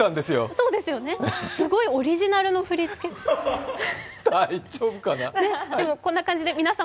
そうですよね、すごいオリジナルの振り付けで。